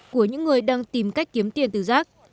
của những người đang tìm cách kiếm tiền từ rác